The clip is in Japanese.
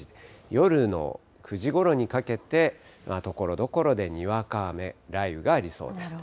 夜の９時ごろにかけて、ところどころでにわか雨、雷雨がありそうです。